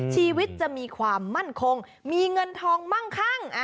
ชีวิตจะมีความมั่นคงมีเงินทองมั่งคั่ง